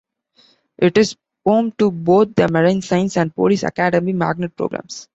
It is home to both the Marine Science and Police Academy Magnet programs.